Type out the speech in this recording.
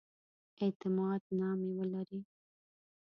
اعتماد نامې ولري.